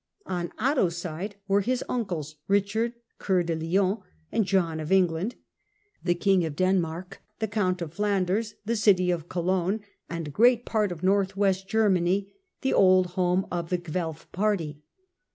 On Otto's side were his uncles, Eichard Coeur de Lion and John of England, the King of Denmark, the Count of Flanders, the city of Cologne, and a great part of north west Germany, the old home of the Guelf party.